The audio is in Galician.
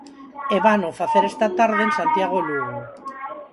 E vano facer esta tarde en Santiago e Lugo.